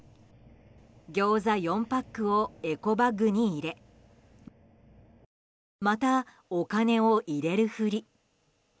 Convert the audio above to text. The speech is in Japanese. ギョーザ４パックをエコバッグに入れまたお金を入れるふり。